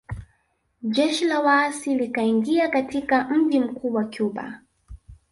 Jeshi la waasi likaingia katika mji mkuu wa Cuba